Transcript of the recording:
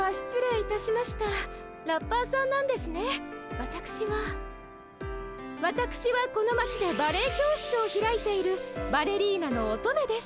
わたくしはわたくしはこの町でバレエ教室を開いているバレリーナの乙女です。